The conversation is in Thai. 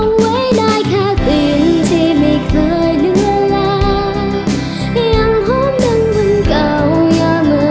เมื่อกี้เจอกันยังเรียกพี่อ๊ายอยู่เลยครับแอล